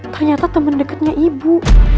ternyata teman dekatnya ibu